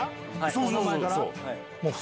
そうそう。